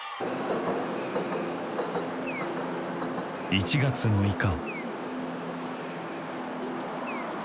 １月６日。